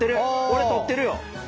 俺摂ってるよ！